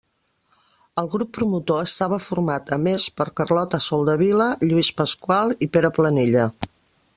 El grup promotor estava format, a més, per Carlota Soldevila, Lluís Pasqual i Pere Planella.